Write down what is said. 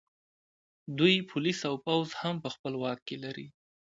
دوی پولیس او پوځ هم په خپل واک کې لري